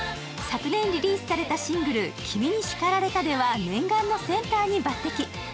昨年リリースされたシングル「君に叱られた」では念願のセンターに抜てき。